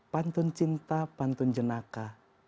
pantun cinta pantun jenaka